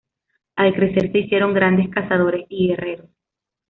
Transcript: Al crecer se hicieron grandes cazadores y guerreros.